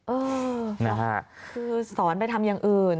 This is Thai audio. เออนะฮะคือสอนไปทำอย่างอื่น